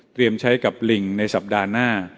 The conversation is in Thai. เตรียมใช้กับลิงในสัปดาห์หน้า